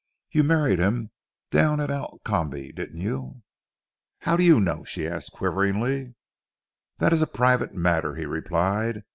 You married him down at Alcombe, didn't you?" "How do you know?" she asked quiveringly. "That is a private matter," he replied.